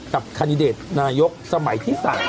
คันดิเดตนายกสมัยที่๓